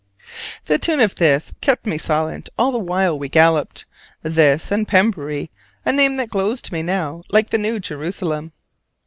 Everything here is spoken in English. The tune of this kept me silent all the while we galloped: this and Pembury, a name that glows to me now like the New Jerusalem.